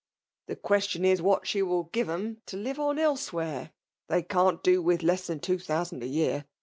'* The qaesiion is what die will give *ein te lire on elfiewkere. They can't do with len than two thousand a yeatf.